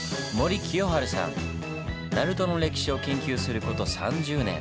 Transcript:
鳴門の歴史を研究すること３０年。